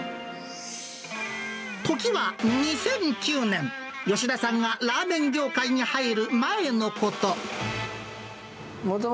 時は２００９年、吉田さんがラーメン業界に入る前のこと。